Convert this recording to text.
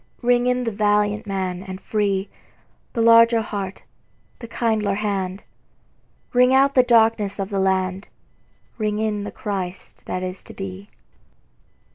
Ring in the valiant man and free, The larger heart, the kindlier hand; Ring out the darkenss of the land, Ring in the Christ that is to be.